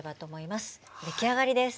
出来上がりです。